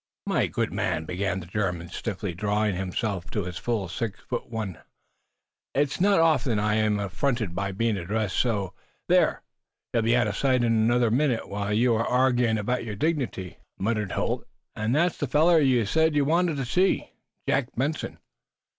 "My good man," began the German, stiffly, drawing himself up to his full six foot one, "it is not often I am affronted by being addressed so " "There! He'll be outer sight in another minute, while you are arguin' about your dignity!" muttered Holt. "And that's the feller you said you wanted to see Jack Benson."